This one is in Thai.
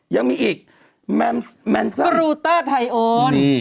ยังมีอีกแมนซ่อมกูต้าไทโอน